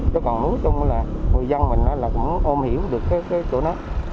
chứ còn nói chung là người dân mình là cũng không hiểu được cái chỗ đó